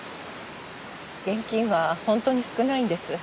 現金は本当に少ないんです。